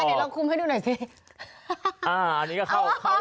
อันนี้เราคุมให้ดูหน่อยเฟ้